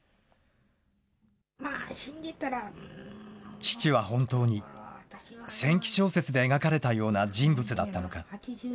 父は本当に戦記小説で描かれたような人物だったのか。